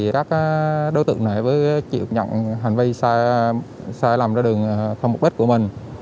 các đối tượng này chịu nhận hành vi sai lầm ra đường không mục đích của mình